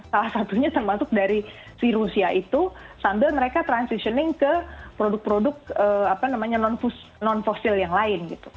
salah satunya termasuk dari si rusia itu sambil mereka transitioning ke produk produk non fosil yang lain gitu